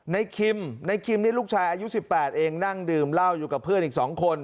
คิมในคิมนี่ลูกชายอายุ๑๘เองนั่งดื่มเหล้าอยู่กับเพื่อนอีก๒คน